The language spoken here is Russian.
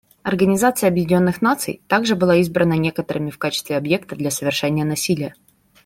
Организация Объединенных Наций также была избрана некоторыми в качестве объекта для совершения насилия.